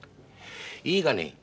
いいかね？